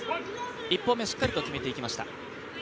１本目、しっかりと決めていきました。